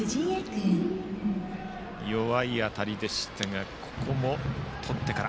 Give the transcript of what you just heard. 弱い当たりでしたがここも、とってから。